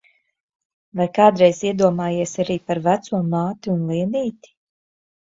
Vai kādreiz iedomājies arī par veco māti un Lienīti?